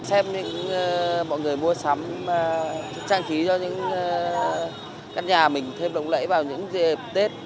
xem những mọi người mua sắm trang trí cho các nhà mình thêm đồng lễ vào những dịp tết